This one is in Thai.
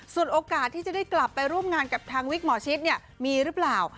ส่วนโอกาสที่จะได้กลับไปร่วมงานกับทางวิกหมอชิดเนี่ยมีหรือเปล่า